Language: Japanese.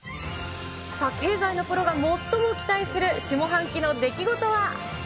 経済のプロが最も期待する下半期の出来事は。